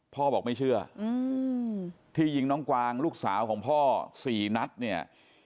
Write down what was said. พ่อบอกไม่เชื่อที่ยิงน้องกวางลูกสาวของพ่อ๔นัดเนี่ย